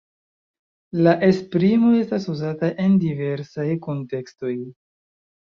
La esprimo estas uzata en diversaj kuntekstoj.